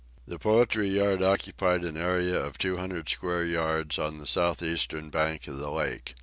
The poultry yard occupied an area of two hundred square yards, on the southeastern bank of the lake.